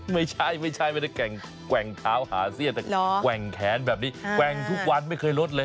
ไม่ใช่กว่างเท้าแต่แขนแห่งแขนแขวงทุกวันไม่เคยลดเลย